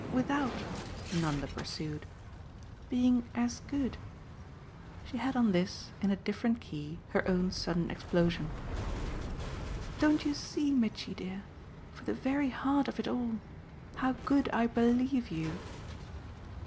"Without," Nanda pursued, "being as good." She had on this, in a different key, her own sudden explosion. "Don't you see, Mitchy dear for the very heart of it all how good I BELIEVE you?"